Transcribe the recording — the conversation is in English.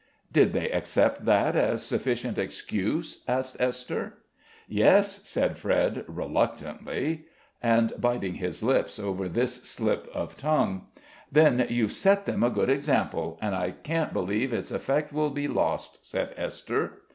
"Did they accept that as sufficient excuse?" asked Esther. "Yes," said Fred reluctantly, and biting his lips over this slip of his tongue. "Then you've set them a good example, and I can't believe its effect will be lost," said Esther.